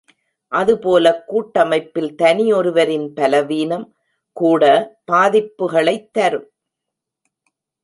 அதுபோலக் கூட்டமைப்பில் தனி ஒருவரின் பலவீனம் கூட பாதிப்புகளைத் தரும்.